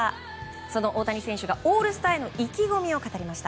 その大谷選手がオールスターへの意気込みを語りました。